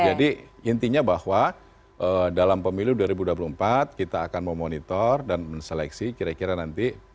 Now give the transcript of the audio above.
jadi intinya bahwa dalam pemiliu dua ribu dua puluh empat kita akan memonitor dan menseleksi kira kira nanti